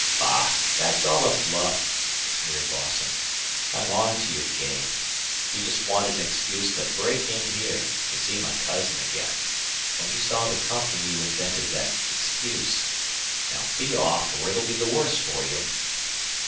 "Bah! That's all a bluff," sneered Lawson. "I'm on to your game. You just wanted an excuse to break in here to see my cousin again. When you saw the company you invented that excuse. Now, be off, or it'll be the worse for you."